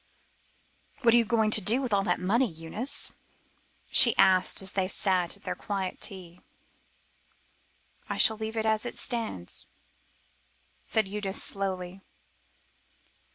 "What are you going to do with all that money, Eunice?" she asked as they sat at their quiet tea. "I shall leave it as it stands," said Eunice slowly.